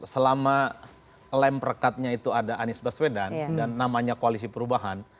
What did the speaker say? selama lem perkatnya itu ada anies baswedan dan namanya koalisi perubahan